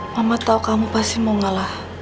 mama tahu kamu pasti mau ngalah